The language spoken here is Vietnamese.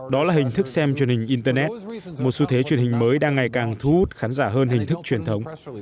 đó là hình thức xem truyền hình internet một xu thế truyền hình mới đang ngày càng thu hút khán giả hơn hình thức truyền thống